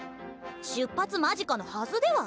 出発間近のはずでは？